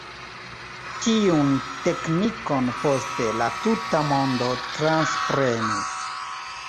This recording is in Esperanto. Tiun teknikon poste la tuta mondo transprenis.